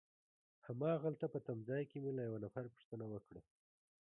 هماغلته په تمځای کي مې له یوه نفر پوښتنه وکړه.